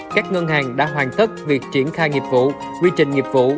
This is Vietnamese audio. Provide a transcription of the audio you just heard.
các ngân hàng đã hoàn tất việc triển khai nghiệp vụ quy trình nghiệp vụ